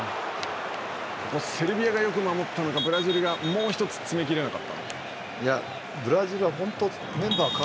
セルビアがよく守ったのかブラジルがもう一つ詰めきれなかったのか。